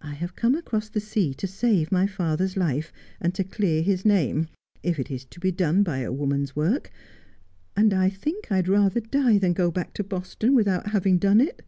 I have come across the sea to save my father's life, and to clear his name, if it is to be done by a woman's work, and I think I'd rather die than go back to Boston without having done it.'